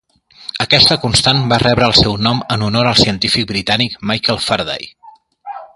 Aquesta constant va rebre el seu nom en honor al científic britànic Michael Faraday.